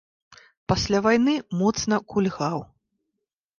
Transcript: Пасля вайны моцна кульгаў.